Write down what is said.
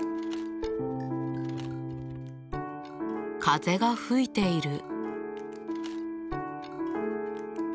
風が吹いている。